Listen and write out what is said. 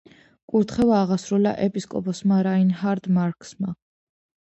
კურთხევა აღასრულა ეპისკოპოსმა რაინჰარდ მარქსმა.